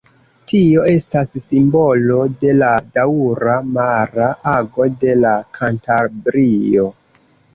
Tio estas simbolo de la daŭra mara ago de Kantabrio.